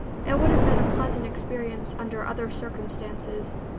It would have been a pleasant experience under other circumstances.